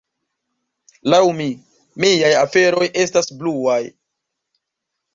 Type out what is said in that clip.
"Laŭ mi, miaj aferoj estas bluaj."